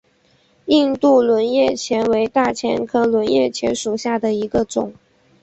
印度轮叶戟为大戟科轮叶戟属下的一个种。